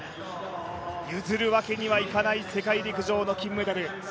譲るわけにはいかない世界陸上の金メダル。